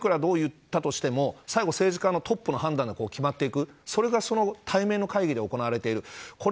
官僚がいくらどう言ったとしても最後政治家のトップの判断で決まっていくそれが対面の会議で行われている